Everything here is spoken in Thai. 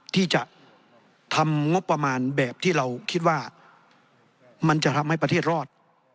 ที่จะทำงบประมาณแบบที่เราคิดว่ามันจะทำให้ประเทศรอด